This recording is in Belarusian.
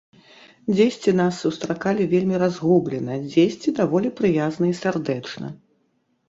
Дзесьці нас сустракалі вельмі разгублена, дзесьці даволі прыязна і сардэчна.